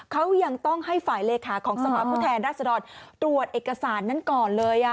เขายังต้องให้ฝ่ายเลขาของสภาพผู้แทนรัศดรตรวจเอกสารนั้นก่อนเลย